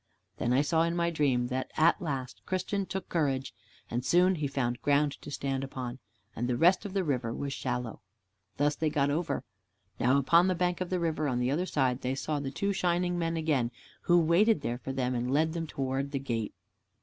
Then I saw in my dream that at last Christian took courage, and soon he found ground to stand upon, and the rest of the river was shallow. Thus they got over. Now upon the bank of the river, on the other side, they saw the two shining men again, who waited there for them, and led them toward the gate.